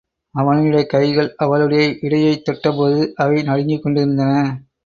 அவனுடைய கைகள் அவளுடைய இடையைத் தொட்ட போது, அவை நடுங்கிக் கொண்டிருந்தன.